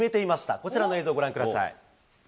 こちらの映像ご覧ください。